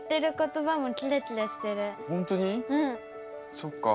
そっか。